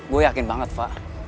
gue yakin banget fah